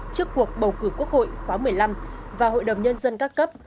trước cuộc bầu cử quốc hội khóa một mươi năm và hội đồng nhân dân các cấp